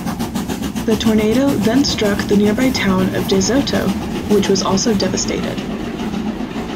The tornado then struck the nearby town of De Soto, which was also devastated.